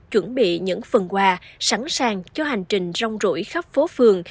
chuẩn bị những phần quà sẵn sàng cho hành trình rong rủi khắp phố phường